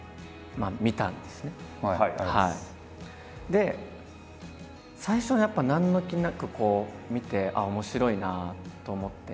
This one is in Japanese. で最初はやっぱ何の気なくこう見て面白いなと思って。